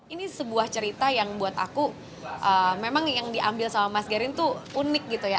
ini sebuah cerita yang buat aku memang yang diambil sama mas garin tuh unik gitu ya